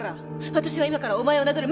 私は今からお前を殴る。